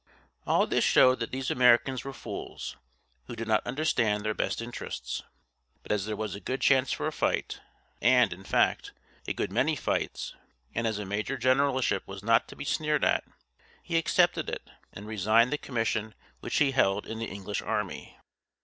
All this showed that these Americans were fools, who did not understand their best interests. But as there was a good chance for a fight, and, in fact, a good many fights, and as a major generalship was not to be sneered at, he accepted it, and resigned the commission which he held in the English army.